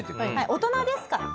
大人ですから。